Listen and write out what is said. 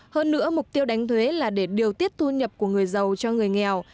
hơn nữa mục tiêu đánh thuế là để điều tiết thu nhập của người giàu cho người nghèo